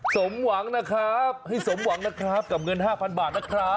สมหวังนะครับให้สมหวังนะครับกับเงิน๕๐๐บาทนะครับ